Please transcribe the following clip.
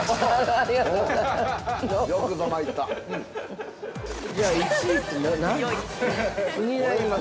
◆ありがとうございます。